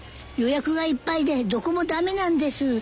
予約がいっぱいでどこも駄目なんです。